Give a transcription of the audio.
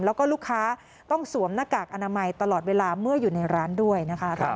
แล้วก็ลูกค้าต้องสวมหน้ากากอนามัยตลอดเวลาเมื่ออยู่ในร้านด้วยนะคะ